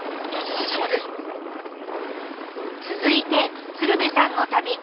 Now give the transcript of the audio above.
続いて鶴瓶さんの旅。